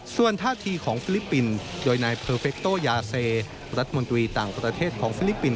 ส่วนท่าทีของฟิลิปปินส์โดยนายเพอร์เฟคโตยาเซรัฐมนตรีต่างประเทศของฟิลิปปินส